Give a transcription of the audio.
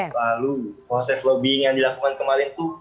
lalu proses lobbying yang dilakukan kemarin itu